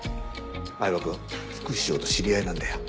饗庭君副市長と知り合いなんだよ。